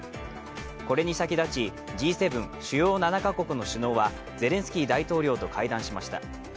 これに先立ち、Ｇ７＝主要７か国の首脳はゼレンスキー大統領と会談しました。